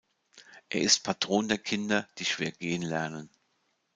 Er ist Patron der Kinder, die schwer gehen lernen.